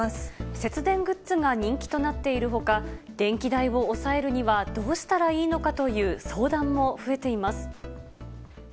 節電グッズが人気となっているほか、電気代を抑えるにはどうしたらいいのかという相談も増えています。